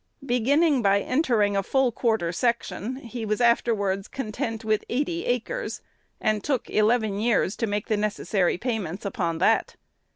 Beginning by entering a full quarter section, he was afterwards content with eighty acres, and took eleven years to make the necessary payments upon that.